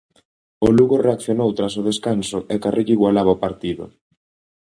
O Lugo reaccionou tras o descanso e Carrillo igualaba o partido.